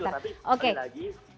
tapi sekali lagi